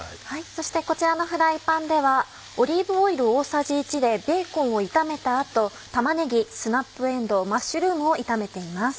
そしてこちらのフライパンではオリーブオイル大さじ１でベーコンを炒めた後玉ねぎスナップえんどうマッシュルームを炒めています。